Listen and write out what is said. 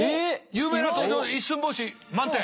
有名な登場一寸法師満点。